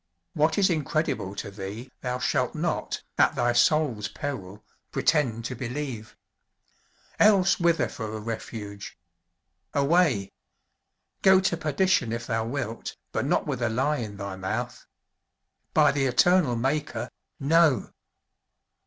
What is incredible to thee thou shalt not, at thy soul's peril, pretend to believe. Elsewhither for a refuge! Away! Go to perdition if thou wilt, but not with a lie in thy mouth by the Eternal Maker, No!!"